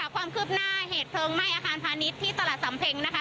ความคืบหน้าเหตุเพลิงไหม้อาคารพาณิชย์ที่ตลาดสำเพ็งนะคะ